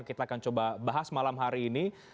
kita akan coba bahas malam hari ini